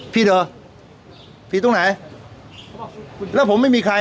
ผิดเหรอผิดตรงไหนแล้วผมไม่มีใคร